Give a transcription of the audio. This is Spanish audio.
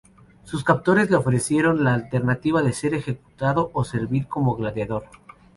Sus captores le ofrecieron la alternativa de ser ejecutado o servir como gladiador.